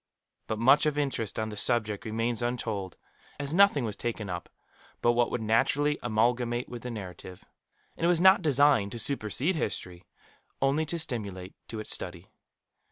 But much of interest on the subject remains untold, as nothing was taken up but what would naturally amalgamate with the narrative and it was not designed to supersede history, only to stimulate to its study.